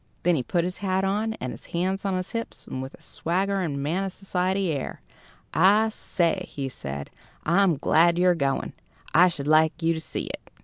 Then he put his hat on, and his hands on his hips, with a swaggering, man of society air. "I say," he said, "I'm glad you're going. I should like you to see it."